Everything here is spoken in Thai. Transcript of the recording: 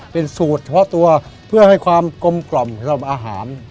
เป็นสูตรเฉพาะตัวเพื่อให้ความกลมกล่อมสำหรับอาหาร